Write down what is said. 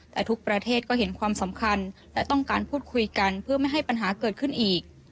แต่ทุกประเทศก็เห็นความสำคัญและต้องการพูดคุยกันเพื่อไม่ให้ปัญหาเกิดขึ้นอีก